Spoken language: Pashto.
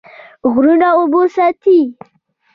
غرونه اوبه ساتي.